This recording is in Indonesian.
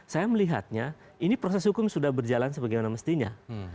saya melihatnya ini proses hukum sudah berjalan sebagaimana mestinya